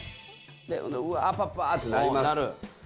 で「うわパパ」ってなります。